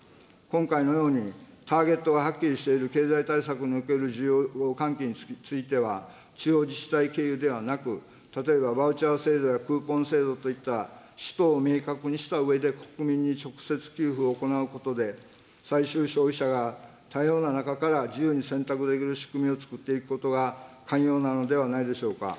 今回のようにターゲットがはっきりしている経済対策における需要の喚起については、地方自治体経由ではなく、例えばバウチャー制度やクーポン制度といった使途を明確にしたうえで国民に直接給付を行うことで、最終消費者が多様な中から自由に選択できる仕組みをつくっていくことが肝要なのではないでしょうか。